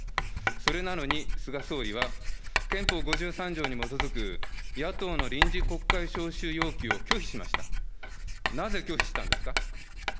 それなのに菅総理は、憲法５３条に基づく野党の臨時国会召集要求を拒否しました。